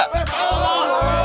eh pada mau gak